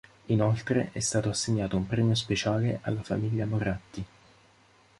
Inoltre è stato assegnato un premio speciale alla famiglia Moratti.